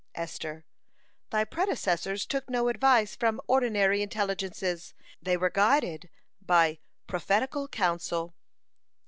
Esther: "Thy predecessors took no advice from ordinary intelligences; they were guided by prophetical counsel.